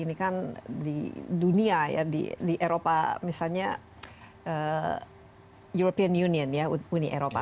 ini kan di dunia ya di eropa misalnya european union ya uni eropa